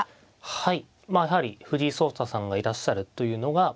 はい。